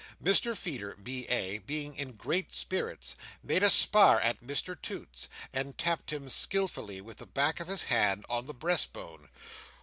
Mr Feeder, B.A., being in great spirits, made a spar at Mr Toots, and tapped him skilfully with the back of his hand on the breastbone.